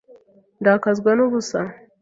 Ndakazwa n ubusa